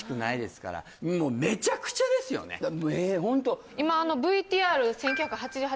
ホント